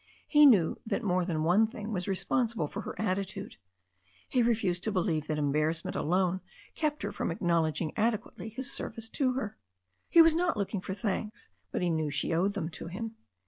He knew that more than one thing was responsible for her attitude. He refused to believe that embarrassment alone kept her from acknowledging ade quately his service to her. He was not looking for thanks, but he knew she owed them to him.